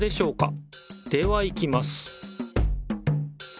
ではいきます